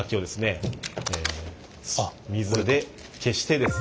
水で消してですね。